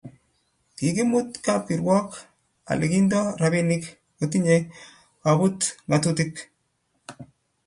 kikimut kapkirwak ale kindo rapinik kotinge koput ngatutik